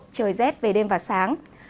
trời rét về đêm và sáng